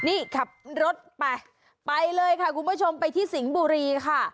นี่ขับรถไปไปเลยค่ะคุณผู้ชมไปที่สิงห์บุรีค่ะ